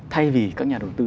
thay vì các nhà đầu tư